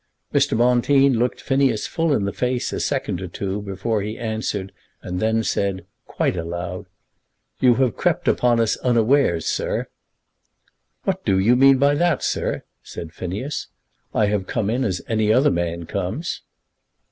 Mr. Bonteen looked Phineas full in the face a second or two before he answered, and then said, quite aloud "You have crept upon us unawares, sir." "What do you mean by that, sir?" said Phineas. "I have come in as any other man comes."